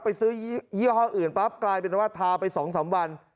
ไปซื้อยี่ห้ออื่นปั๊บกลายเป็นว่าทาไป๒๓วัน